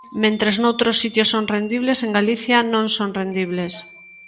Mentres noutros sitios son rendibles, en Galicia non son rendibles.